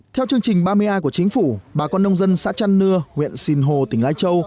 theo chương trình ba mươi a của chính phủ bà con nông dân xã trăn nưa huyện sìn hồ tỉnh lai châu